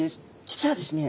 実はですね